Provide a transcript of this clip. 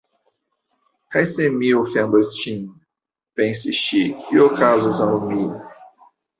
"Kaj se mi ofendos ŝin," pensis ŝi, "kio okazos al mi? »